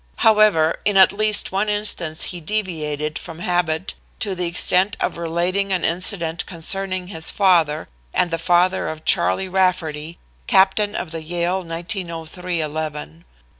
However, in at least one instance he deviated from habit to the extent of relating an incident concerning his father and the father of Charlie Rafferty, captain of the Yale 1903 eleven.